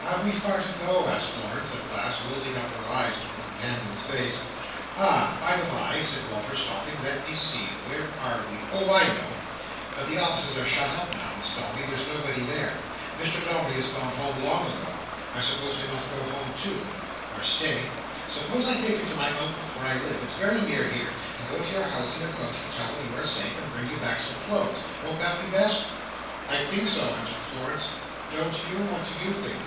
"Have we far to go?" asked Florence at last, lilting up her eyes to her companion's face. "Ah! By the bye," said Walter, stopping, "let me see; where are we? Oh! I know. But the offices are shut up now, Miss Dombey. There's nobody there. Mr Dombey has gone home long ago. I suppose we must go home too? or, stay. Suppose I take you to my Uncle's, where I live—it's very near here—and go to your house in a coach to tell them you are safe, and bring you back some clothes. Won't that be best?" "I think so," answered Florence. "Don't you? What do you think?"